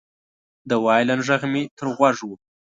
د وایلن غږ مې تر غوږ و